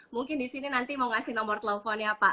mungkin disini nanti mau ngasih nomor telepon ya pak